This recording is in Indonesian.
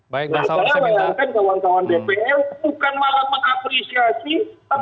nah sekarang melihatkan kawan kawan dpr